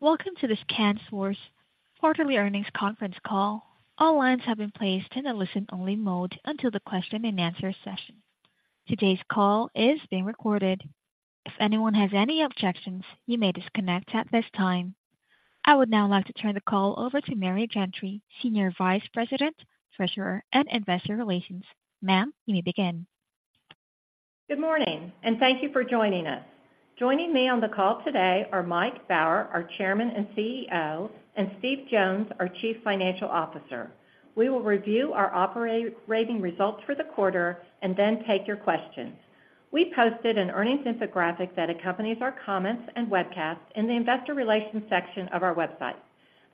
Welcome to the ScanSource Quarterly Earnings Conference Call. All lines have been placed in a listen-only mode until the question-and-answer session. Today's call is being recorded. If anyone has any objections, you may disconnect at this time. I would now like to turn the call over to Mary Gentry, Senior Vice President, Treasurer, and Investor Relations. Ma'am, you may begin. Good morning, and thank you for joining us. Joining me on the call today are Mike Baur, our Chairman and CEO, and Steve Jones, our Chief Financial Officer. We will review our operating results for the quarter and then take your questions. We posted an earnings infographic that accompanies our comments and webcast in the investor relations section of our website.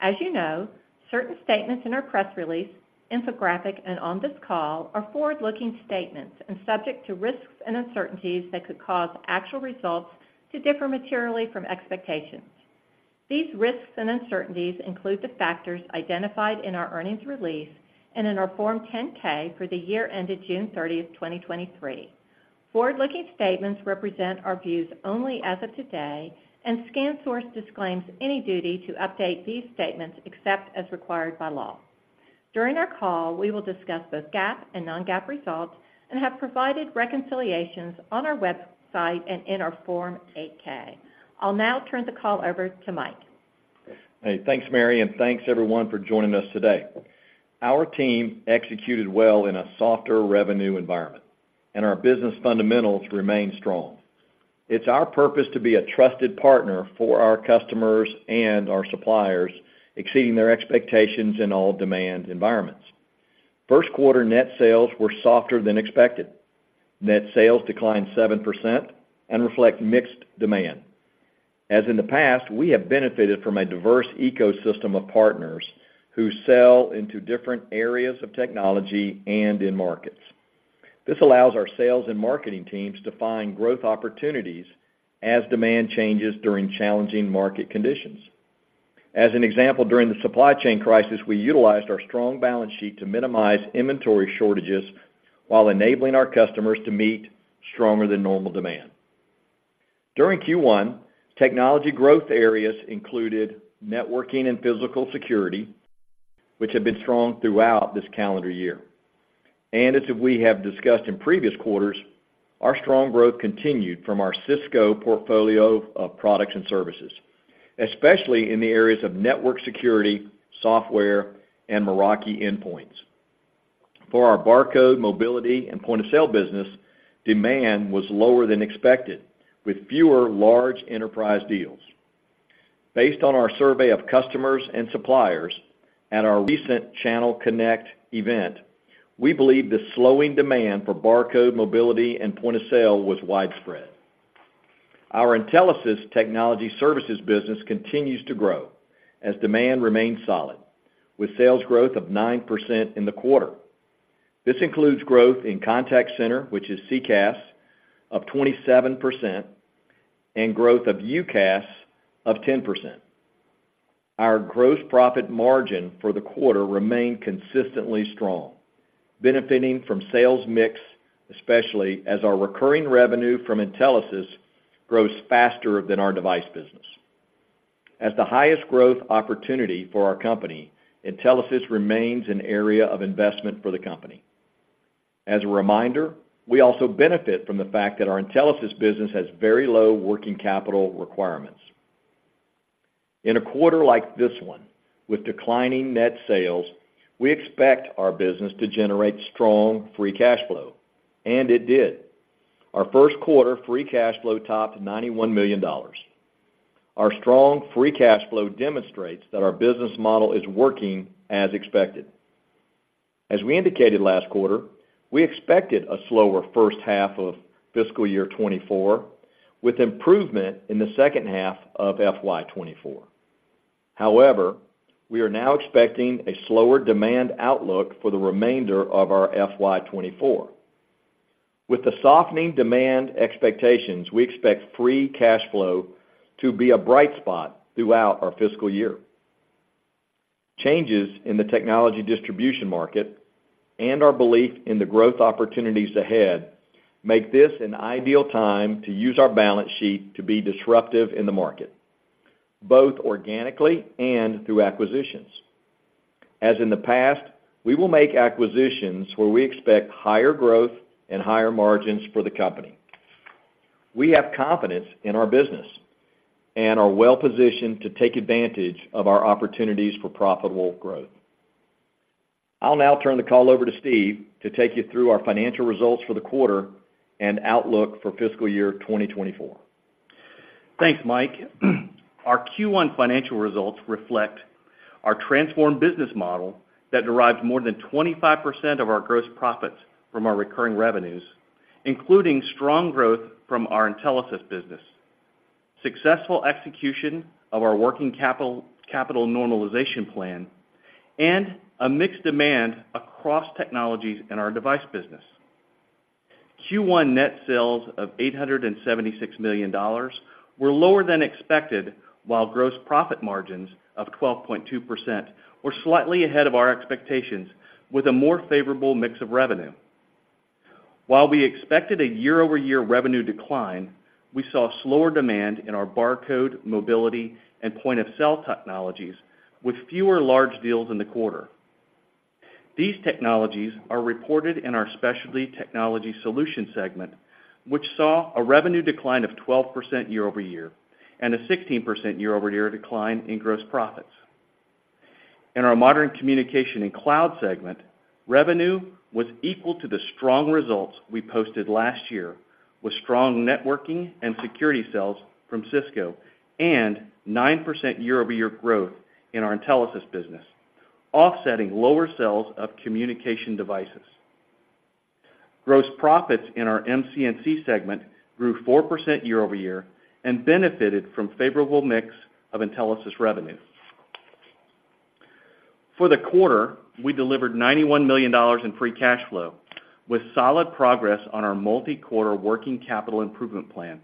As you know, certain statements in our press release, infographic, and on this call are forward-looking statements and subject to risks and uncertainties that could cause actual results to differ materially from expectations. These risks and uncertainties include the factors identified in our earnings release and in our Form 10-K for the year ended June 30th, 2023. Forward-looking statements represent our views only as of today, and ScanSource disclaims any duty to update these statements except as required by law. During our call, we will discuss both GAAP and Non-GAAP results and have provided reconciliations on our website and in our Form 8-K. I'll now turn the call over to Mike. Hey, thanks, Mary, and thanks, everyone, for joining us today. Our team executed well in a softer revenue environment, and our business fundamentals remain strong. It's our purpose to be a trusted partner for our customers and our suppliers, exceeding their expectations in all demand environments. First quarter net sales were softer than expected. Net sales declined 7% and reflect mixed demand. As in the past, we have benefited from a diverse ecosystem of partners who sell into different areas of technology and in markets. This allows our sales and marketing teams to find growth opportunities as demand changes during challenging market conditions. As an example, during the supply chain crisis, we utilized our strong balance sheet to minimize inventory shortages while enabling our customers to meet stronger than normal demand. During Q1, technology growth areas included Networking and Physical Security, which have been strong throughout this calendar year. As we have discussed in previous quarters, our strong growth continued from our Cisco portfolio of products and services, especially in the areas of Network Security, Software, and Meraki endpoints. For our Barcode, Mobility, and Point-of-Sale business, demand was lower than expected, with fewer large enterprise deals. Based on our survey of customers and suppliers at our recent Channel Connect event, we believe the slowing demand for Barcode, Mobility, and Point-of-Sale was widespread. Our Intelisys technology services business continues to grow as demand remains solid, with sales growth of 9% in the quarter. This includes growth in contact center, which is CCaaS, of 27% and growth of UCaaS of 10%. Our gross profit margin for the quarter remained consistently strong, benefiting from sales mix, especially as our recurring revenue from Intelisys grows faster than our device business. As the highest growth opportunity for our company, Intelisys remains an area of investment for the company. As a reminder, we also benefit from the fact that our Intelisys business has very low working capital requirements. In a quarter like this one, with declining net sales, we expect our business to generate strong free cash flow, and it did. Our first quarter free cash flow topped $91 million. Our strong free cash flow demonstrates that our business model is working as expected. As we indicated last quarter, we expected a slower first half of fiscal year 2024, with improvement in the second half of FY 2024. However, we are now expecting a slower demand outlook for the remainder of our FY 2024. With the softening demand expectations, we expect free cash flow to be a bright spot throughout our fiscal year. Changes in the technology distribution market and our belief in the growth opportunities ahead make this an ideal time to use our balance sheet to be disruptive in the market, both organically and through acquisitions. As in the past, we will make acquisitions where we expect higher growth and higher margins for the company. We have confidence in our business and are well positioned to take advantage of our opportunities for profitable growth. I'll now turn the call over to Steve to take you through our financial results for the quarter and outlook for fiscal year 2024. Thanks, Mike. Our Q1 financial results reflect our transformed business model that derives more than 25% of our gross profits from our recurring revenues, including strong growth from our Intelisys business, successful execution of our working capital, capital normalization plan, and a mixed demand across technologies in our device business. Q1 net sales of $876 million were lower than expected, while gross profit margins of 12.2% were slightly ahead of our expectations, with a more favorable mix of revenue. While we expected a year-over-year revenue decline, we saw slower demand in our Barcode, Mobility, and Point-of-Sale technologies, with fewer large deals in the quarter. These technologies are reported in our Specialty Technology Solution segment, which saw a revenue decline of 12% year-over-year, and a 16% year-over-year decline in gross profits. In our Modern Communication and Cloud segment, revenue was equal to the strong results we posted last year, with strong Networking and Security sales from Cisco, and 9% year-over-year growth in our Intelisys business, offsetting lower sales of communication devices. Gross profits in our MCNC segment grew 4% year-over-year and benefited from favorable mix of Intelisys revenue. For the quarter, we delivered $91 million in free cash flow, with solid progress on our multi-quarter working capital improvement plan.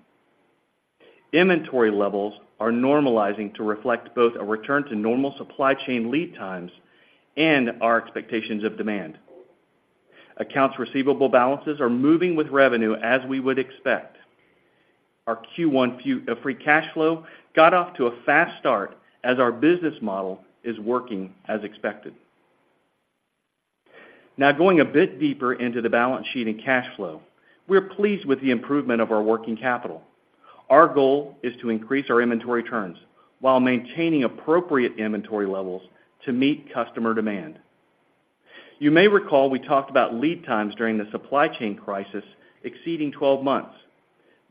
Inventory levels are normalizing to reflect both a return to normal supply chain lead times and our expectations of demand. Accounts receivable balances are moving with revenue, as we would expect. Our Q1 free cash flow got off to a fast start as our business model is working as expected. Now, going a bit deeper into the balance sheet and cash flow, we're pleased with the improvement of our working capital. Our goal is to increase our inventory turns while maintaining appropriate inventory levels to meet customer demand. You may recall we talked about lead times during the supply chain crisis exceeding 12 months.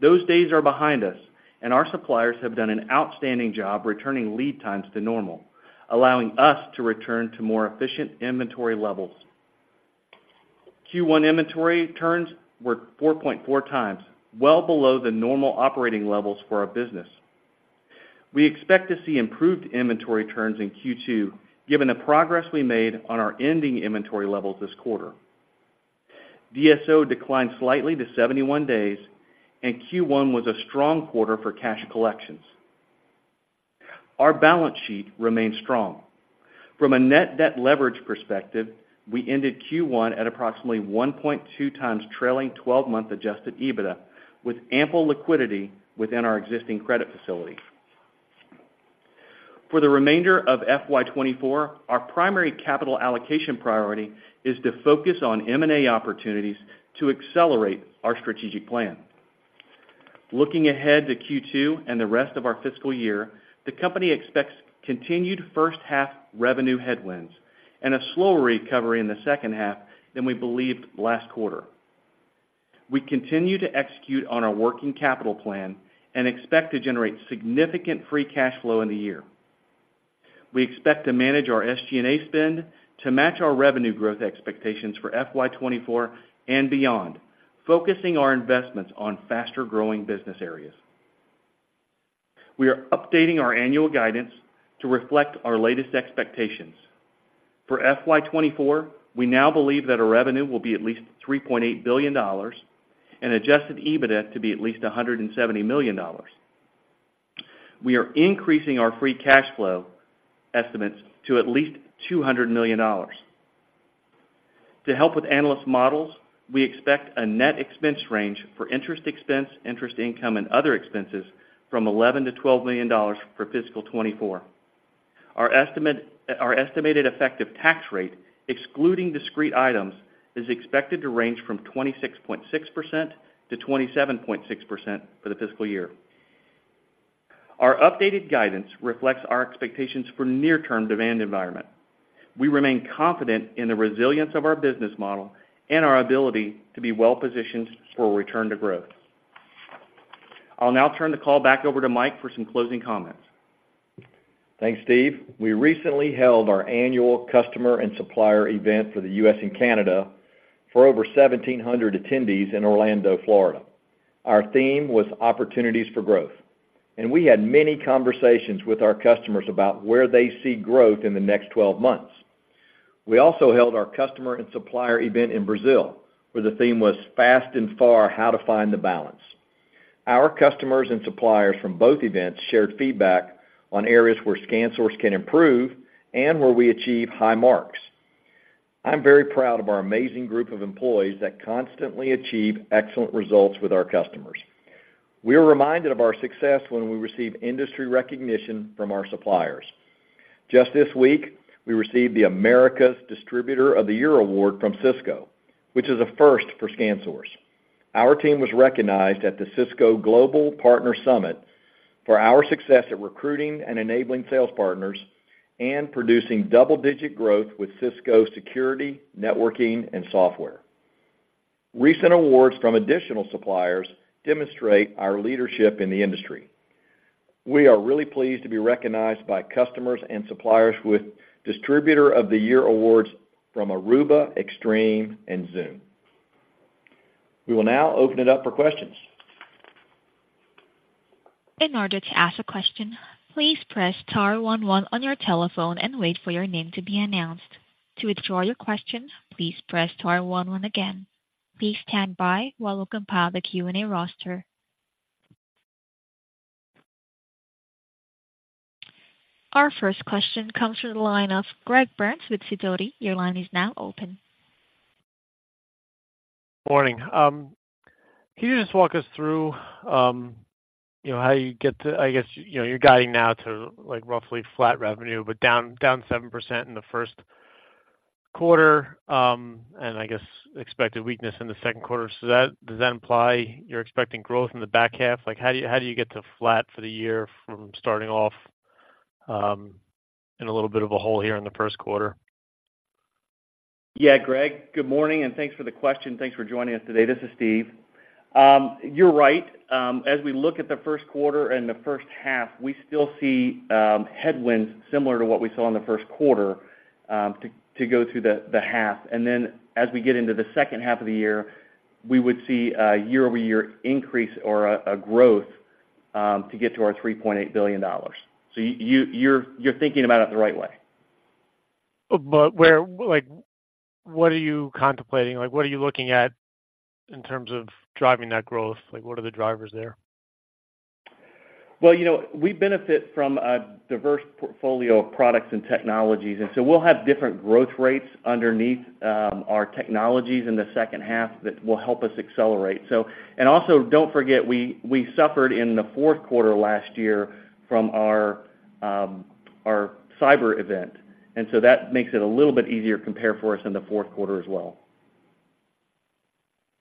Those days are behind us, and our suppliers have done an outstanding job returning lead times to normal, allowing us to return to more efficient inventory levels. Q1 inventory turns were 4.4x, well below the normal operating levels for our business. We expect to see improved inventory turns in Q2, given the progress we made on our ending inventory levels this quarter. DSO declined slightly to 71 days, and Q1 was a strong quarter for cash collections. Our balance sheet remains strong. From a Net Debt Leverage perspective, we ended Q1 at approximately 1.2 times trailing 12-month Adjusted EBITDA, with ample liquidity within our existing credit facility. For the remainder of FY 2024, our primary capital allocation priority is to focus on M&A opportunities to accelerate our strategic plan. Looking ahead to Q2 and the rest of our fiscal year, the company expects continued first half revenue headwinds and a slower recovery in the second half than we believed last quarter. We continue to execute on our working capital plan and expect to generate significant Free Cash Flow in the year. We expect to manage our SG&A spend to match our revenue growth expectations for FY 2024 and beyond, focusing our investments on faster-growing business areas. We are updating our annual guidance to reflect our latest expectations. For FY 2024, we now believe that our revenue will be at least $3.8 billion and Adjusted EBITDA to be at least $170 million. We are increasing our Free Cash Flow estimates to at least $200 million. To help with analyst models, we expect a net expense range for interest expense, interest income, and other expenses from $11 million-$12 million for fiscal 2024. Our estimated effective tax rate, excluding discrete items, is expected to range from 26.6%-27.6% for the fiscal year. Our updated guidance reflects our expectations for the near-term demand environment. We remain confident in the resilience of our business model and our ability to be well-positioned for a return to growth. I'll now turn the call back over to Mike for some closing comments. Thanks, Steve. We recently held our Annual Customer and Supplier event for the U.S. and Canada for over 1,700 attendees in Orlando, Florida. Our theme was Opportunities for Growth, and we had many conversations with our customers about where they see growth in the next 12 months. We also held our Customer and Supplier event in Brazil, where the theme was Fast and Far: How to Find the Balance. Our customers and suppliers from both events shared feedback on areas where ScanSource can improve and where we achieve high marks. I'm very proud of our amazing group of employees that constantly achieve excellent results with our customers. We are reminded of our success when we receive industry recognition from our suppliers. Just this week, we received the Americas Distributor of the Year award from Cisco, which is a first for ScanSource. Our team was recognized at the Cisco Global Partner Summit for our success at recruiting and enabling sales partners and producing double-digit growth with Cisco security, networking, and software. Recent awards from additional suppliers demonstrate our leadership in the industry. We are really pleased to be recognized by customers and suppliers with Distributor of the Year awards from Aruba, Extreme, and Zoom. We will now open it up for questions. In order to ask a question, please press star one one on your telephone and wait for your name to be announced. To withdraw your question, please press star one one again. Please stand by while we compile the Q&A roster. Our first question comes from the line of Greg Burns with Sidoti. Your line is now open. Morning. Can you just walk us through, you know, how you get to, I guess, you know, you're guiding now to, like, roughly flat revenue, but down, down 7% in the first quarter, and I guess, expected weakness in the second quarter. So that does that imply you're expecting growth in the back half? Like, how do you, how do you get to flat for the year from starting off, in a little bit of a hole here in the first quarter? Yeah, Greg, good morning, and thanks for the question. Thanks for joining us today. This is Steve. You're right. As we look at the first quarter and the first half, we still see headwinds similar to what we saw in the first quarter to go through the half. And then as we get into the second half of the year, we would see a year-over-year increase or a growth to get to our $3.8 billion. So you, you, you're thinking about it the right way. But where—like, what are you contemplating? Like, what are you looking at in terms of driving that growth? Like, what are the drivers there? Well, you know, we benefit from a diverse portfolio of products and technologies, and so we'll have different growth rates underneath our technologies in the second half that will help us accelerate. And also, don't forget, we suffered in the fourth quarter last year from our cyber event, and so that makes it a little bit easier to compare for us in the fourth quarter as well.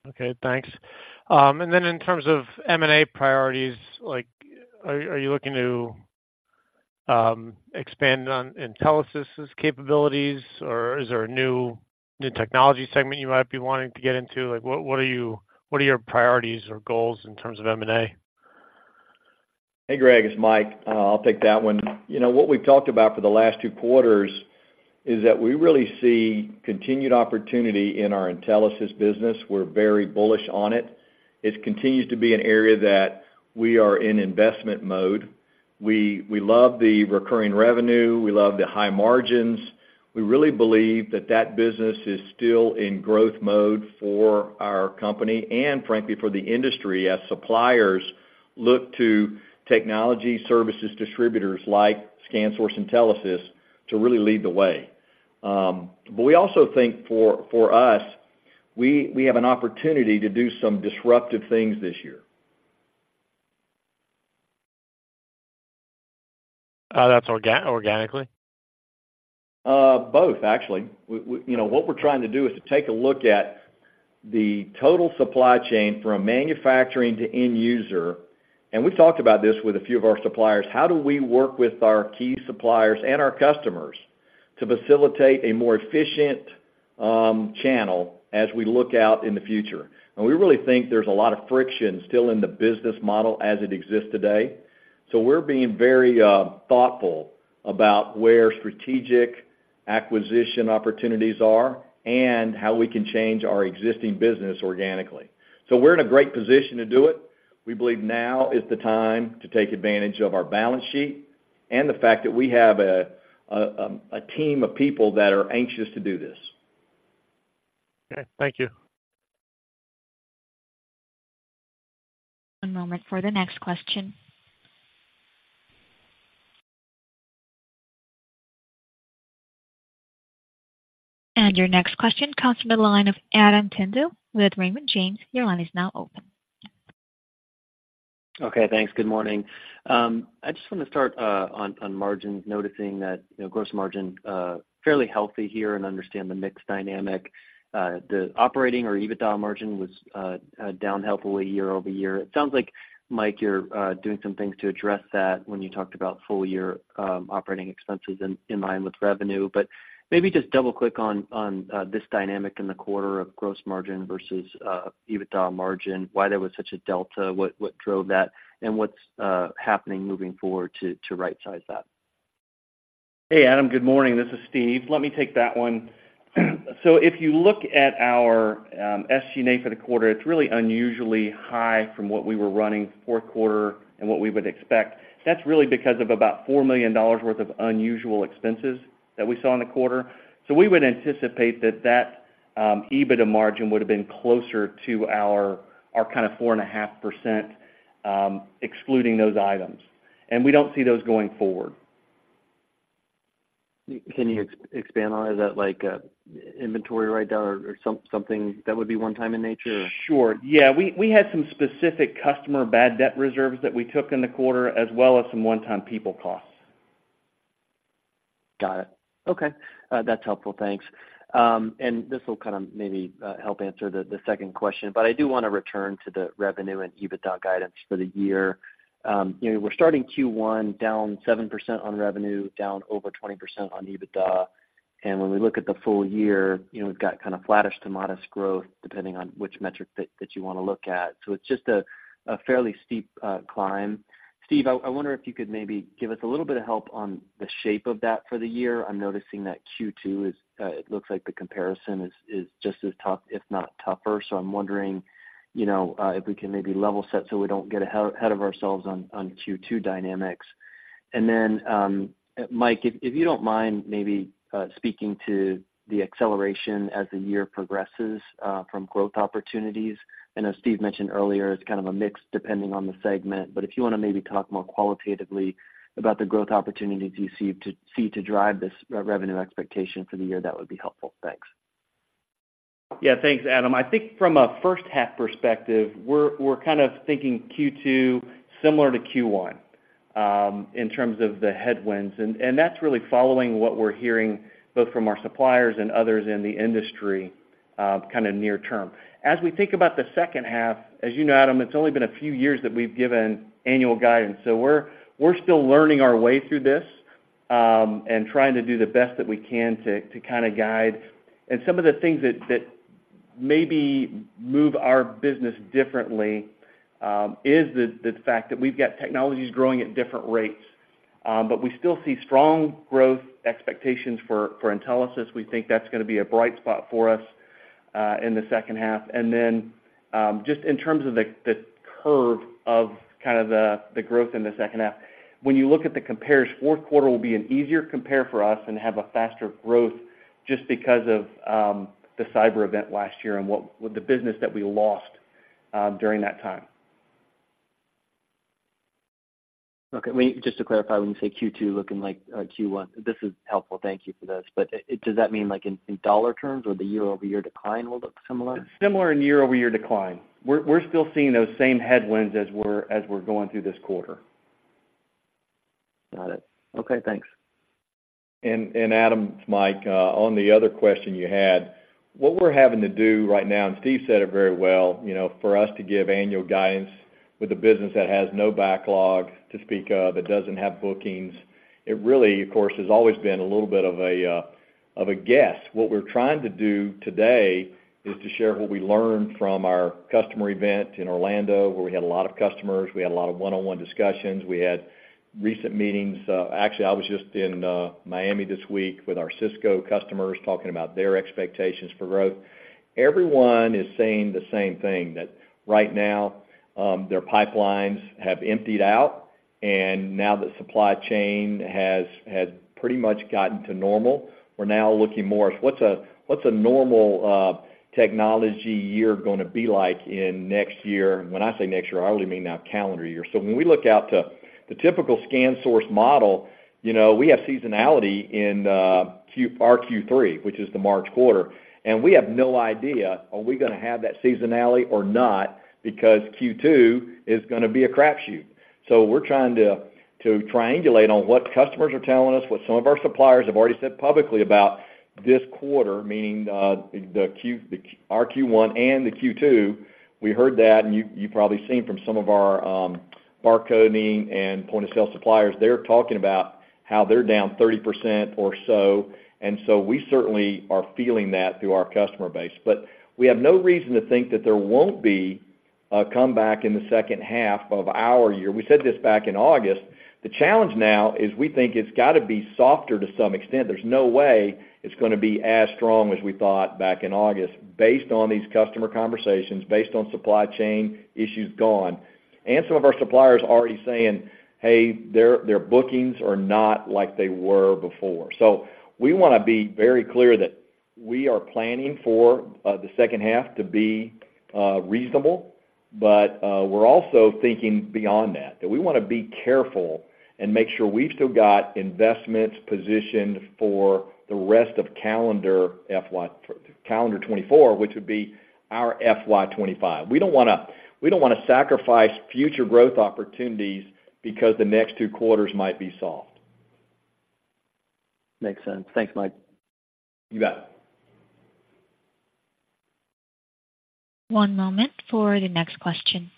Okay, thanks. And then in terms of M&A priorities, like, are you looking to expand on Intelisys' capabilities, or is there a new technology segment you might be wanting to get into? Like, what are your priorities or goals in terms of M&A? Hey, Greg, it's Mike. I'll take that one. You know, what we've talked about for the last two quarters is that we really see continued opportunity in our Intelisys business. We're very bullish on it. It continues to be an area that we are in investment mode. We love the recurring revenue, we love the high margins. We really believe that that business is still in growth mode for our company and frankly, for the industry, as suppliers look to technology services distributors like ScanSource Intelisys to really lead the way. But we also think for us, we have an opportunity to do some disruptive things this year. That's organically? Both, actually. We. You know, what we're trying to do is to take a look at the total supply chain from manufacturing to end user, and we talked about this with a few of our suppliers: How do we work with our key suppliers and our customers to facilitate a more efficient channel as we look out in the future? And we really think there's a lot of friction still in the business model as it exists today. So we're being very thoughtful about where strategic acquisition opportunities are and how we can change our existing business organically. So we're in a great position to do it. We believe now is the time to take advantage of our balance sheet and the fact that we have a team of people that are anxious to do this. Okay, thank you. One moment for the next question. Your next question comes from the line of Adam Tindle with Raymond James. Your line is now open. Okay, thanks. Good morning. I just want to start, on, on margins, noticing that, you know, gross margin, fairly healthy here and understand the mix dynamic. The operating or EBITDA margin was, down healthily year-over-year. It sounds like, Mike, you're, doing some things to address that when you talked about full year, operating expenses in, in line with revenue. But maybe just double-click on, on, this dynamic in the quarter of gross margin versus, EBITDA margin, why there was such a delta, what, what drove that, and what's, happening moving forward to, to rightsize that? Hey, Adam, good morning. This is Steve. Let me take that one. So if you look at our, SG&A for the quarter, it's really unusually high from what we were running fourth quarter and what we would expect. That's really because of about $4 million worth of unusual expenses that we saw in the quarter. So we would anticipate that that, EBITDA margin would have been closer to our, our kind of 4.5%, excluding those items, and we don't see those going forward. Can you expand on, is that like a inventory write-down or something that would be one-time in nature? Sure. Yeah, we had some specific customer bad debt reserves that we took in the quarter, as well as some one-time people costs. Got it. Okay, that's helpful. Thanks. And this will kind of maybe help answer the second question, but I do want to return to the revenue and EBITDA guidance for the year. You know, we're starting Q1 down 7% on revenue, down over 20% on EBITDA, and when we look at the full year, you know, we've got kind of flattish to modest growth, depending on which metric that you want to look at. So it's just a fairly steep climb. Steve, I wonder if you could maybe give us a little bit of help on the shape of that for the year. I'm noticing that Q2 is it looks like the comparison is just as tough, if not tougher. So I'm wondering, you know, if we can maybe level set so we don't get ahead of ourselves on Q2 dynamics. And then, Mike, if you don't mind maybe speaking to the acceleration as the year progresses from growth opportunities. I know Steve mentioned earlier, it's kind of a mix depending on the segment, but if you want to maybe talk more qualitatively about the growth opportunities you see to drive this revenue expectation for the year, that would be helpful. Thanks. Yeah, thanks, Adam. I think from a first half perspective, we're kind of thinking Q2 similar to Q1 in terms of the headwinds. And that's really following what we're hearing, both from our suppliers and others in the industry kind of near term. As we think about the second half, as you know, Adam, it's only been a few years that we've given annual guidance, so we're still learning our way through this and trying to do the best that we can to kind of guide. And some of the things that maybe move our business differently is the fact that we've got technologies growing at different rates, but we still see strong growth expectations for Intelisys. We think that's gonna be a bright spot for us in the second half. And then, just in terms of the curve of kind of the growth in the second half, when you look at the compares, fourth quarter will be an easier compare for us and have a faster growth just because of the cyber event last year and what the business that we lost during that time. Okay, wait, just to clarify, when you say Q2 looking like Q1, this is helpful. Thank you for this. But does that mean, like, in dollar terms or the year-over-year decline will look similar? Similar in year-over-year decline. We're still seeing those same headwinds as we're going through this quarter. Got it. Okay, thanks. And Adam, it's Mike, on the other question you had, what we're having to do right now, and Steve said it very well, you know, for us to give annual guidance with a business that has no backlog to speak of, it doesn't have bookings, it really, of course, has always been a little bit of a, of a guess. What we're trying to do today is to share what we learned from our customer event in Orlando, where we had a lot of customers, we had a lot of one-on-one discussions. We had recent meetings. Actually, I was just in, Miami this week with our Cisco customers, talking about their expectations for growth. Everyone is saying the same thing, that right now, their pipelines have emptied out, and now the supply chain has, has pretty much gotten to normal. We're now looking more at what's a normal technology year gonna be like in next year? When I say next year, I really mean now calendar year. So when we look out to the typical ScanSource model, you know, we have seasonality in our Q3, which is the March quarter, and we have no idea, are we gonna have that seasonality or not, because Q2 is gonna be a crapshoot. So we're trying to triangulate on what customers are telling us, what some of our suppliers have already said publicly about this quarter, meaning our Q1 and the Q2. We heard that, and you've probably seen from some of our Barcode and Point-of-Sale suppliers, they're talking about how they're down 30% or so. And so we certainly are feeling that through our customer base. But we have no reason to think that there won't be a comeback in the second half of our year. We said this back in August. The challenge now is we think it's got to be softer to some extent. There's no way it's gonna be as strong as we thought back in August, based on these customer conversations, based on supply chain issues gone, and some of our suppliers already saying, hey, their bookings are not like they were before. So we wanna be very clear that we are planning for the second half to be reasonable, but we're also thinking beyond that, that we wanna be careful and make sure we've still got investments positioned for the rest of calendar FY 2024, which would be our FY 2025. We don't wanna, we don't wanna sacrifice future growth opportunities because the next two quarters might be soft. Makes sense. Thanks, Mike. You got it. One moment for the next question.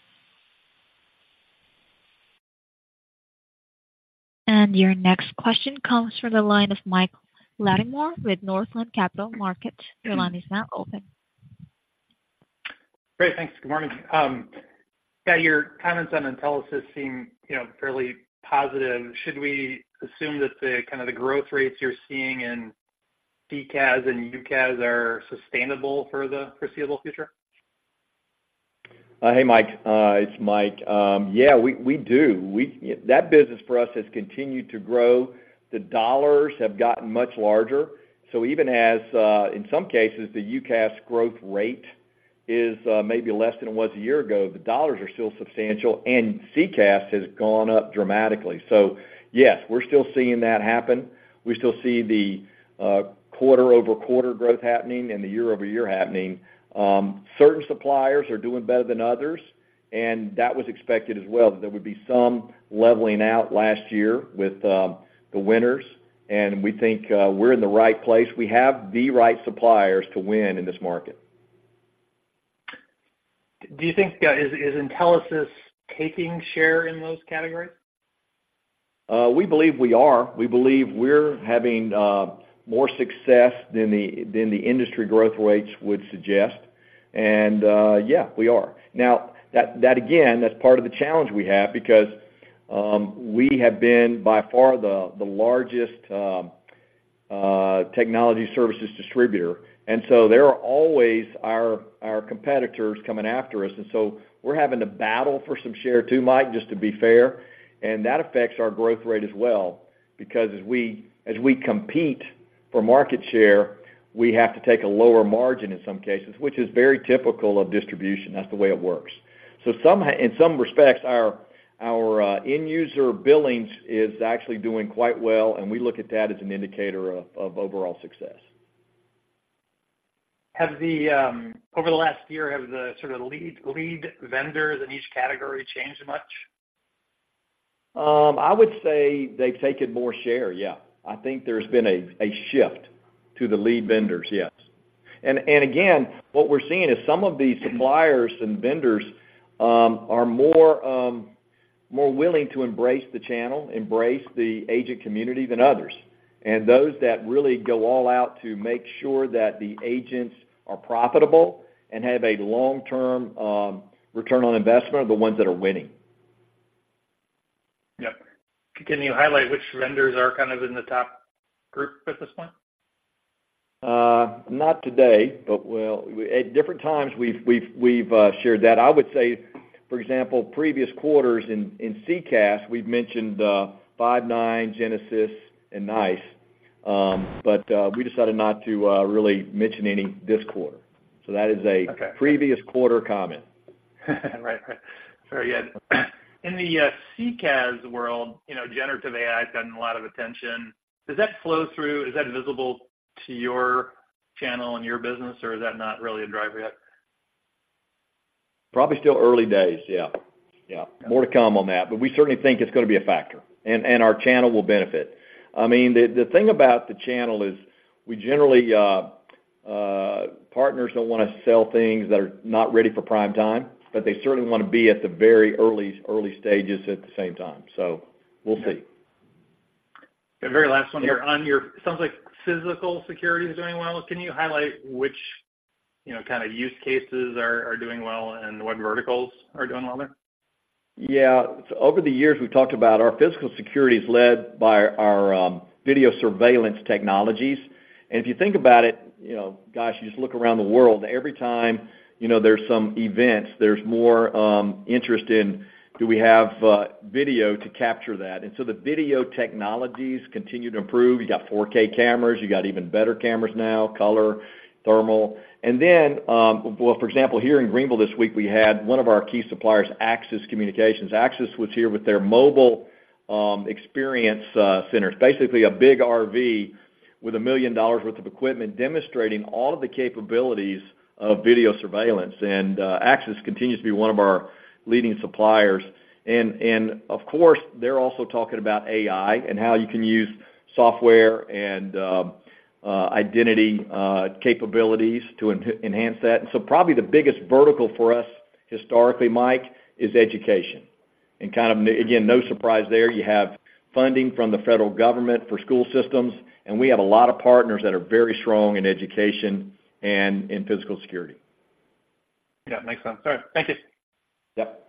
Your next question comes from the line of Mike Latimore with Northland Capital Markets. Your line is now open. Great, thanks. Good morning. Yeah, your comments on Intelisys seem, you know, fairly positive. Should we assume that the, kind of the growth rates you're seeing in CCaaS and UCaaS are sustainable for the foreseeable future? Hey, Mike, it's Mike. Yeah, we, we do. That business for us has continued to grow. The dollars have gotten much larger. So even as, in some cases, the UCaaS growth rate is, maybe less than it was a year ago, the dollars are still substantial, and CCaaS has gone up dramatically. So yes, we're still seeing that happen. We still see the quarter-over-quarter growth happening and the year-over-year happening. Certain suppliers are doing better than others, and that was expected as well, that there would be some leveling out last year with the winners, and we think, we're in the right place. We have the right suppliers to win in this market. Do you think, is Intelisys taking share in those categories? We believe we are. We believe we're having more success than the industry growth rates would suggest. And, yeah, we are. Now, that again, that's part of the challenge we have because we have been, by far, the largest technology services distributor, and so there are always our competitors coming after us. And so we're having to battle for some share, too, Mike, just to be fair, and that affects our growth rate as well, because as we compete for market share, we have to take a lower margin in some cases, which is very typical of distribution. That's the way it works. So, in some respects, our end user billings is actually doing quite well, and we look at that as an indicator of overall success. Have the, over the last year, have the sort of lead vendors in each category changed much? I would say they've taken more share, yeah. I think there's been a shift to the lead vendors, yes. And again, what we're seeing is some of these suppliers and vendors are more, more willing to embrace the channel, embrace the agent community than others. And those that really go all out to make sure that the agents are profitable and have a long-term return on investment are the ones that are winning. Yep. Can you highlight which vendors are kind of in the top group at this point? Not today, but well, at different times, we've shared that. I would say, for example, previous quarters in CCaaS, we've mentioned Five9, Genesys and NICE, but we decided not to really mention any this quarter. So that is a previous quarter comment. Right. Right. Very good. In the CCaaS world, you know, generative AI has gotten a lot of attention. Does that flow through? Is that visible to your channel and your business, or is that not really a driver yet? Probably still early days, yeah. Yeah, more to come on that, but we certainly think it's gonna be a factor, and our channel will benefit. I mean, the thing about the channel is we generally, partners don't wanna sell things that are not ready for prime time, but they certainly wanna be at the very early stages at the same time. So we'll see. The very last one here. Sounds like physical security is doing well. Can you highlight which, you know, kind of use cases are, are doing well and what verticals are doing well there? Yeah. So over the years, we've talked about our physical security is led by our video surveillance technologies. And if you think about it, you know, gosh, you just look around the world, every time, you know, there's some events, there's more interest in, do we have video to capture that? And so the video technologies continue to improve. You got 4K cameras, you got even better cameras now, color, thermal. And then, well, for example, here in Greenville this week, we had one of our key suppliers, Axis Communications. Axis was here with their mobile experience centers, basically a big RV with $1 million worth of equipment, demonstrating all of the capabilities of video surveillance. And Axis continues to be one of our leading suppliers. Of course, they're also talking about AI and how you can use software and identity capabilities to enhance that. So probably the biggest vertical for us historically, Mike, is education. And kind of, again, no surprise there. You have funding from the federal government for school systems, and we have a lot of partners that are very strong in education and in physical security. Yeah, makes sense. All right, thank you. Yep.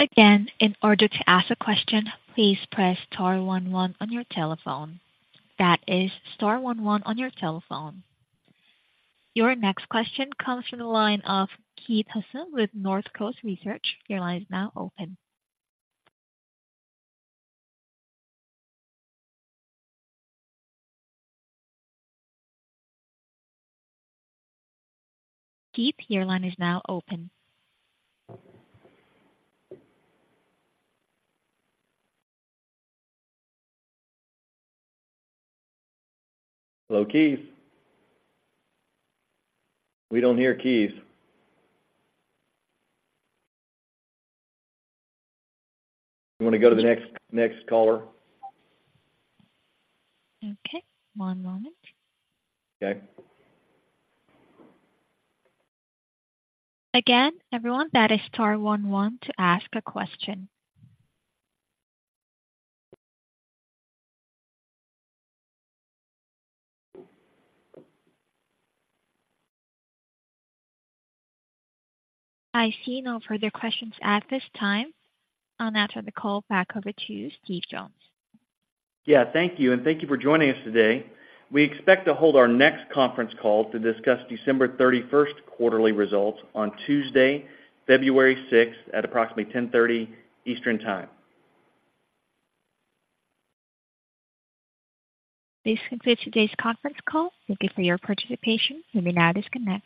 Again, in order to ask a question, please press star one one on your telephone. That is star one one on your telephone. Your next question comes from the line of Keith Housum with Northcoast Research. Your line is now open. Keith, your line is now open. Hello, Keith? We don't hear Keith. You want to go to the next, next caller? Okay, one moment. Okay. Again, everyone, that is star one one to ask a question. I see no further questions at this time. I'll now turn the call back over to you, Steve Jones. Yeah, thank you, and thank you for joining us today. We expect to hold our next conference call to discuss December 31st quarterly results on Tuesday, February 6th, at approximately 10:30 AM Eastern Time. This concludes today's conference call. Thank you for your participation. You may now disconnect.